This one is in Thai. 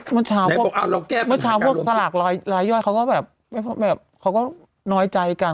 มันชาวพวกสลักลายย่อยเขาก็แบบน้อยใจกัน